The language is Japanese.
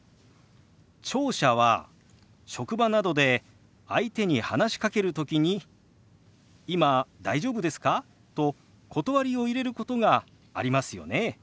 聴者は職場などで相手に話しかける時に「今大丈夫ですか？」と断りを入れることがありますよね？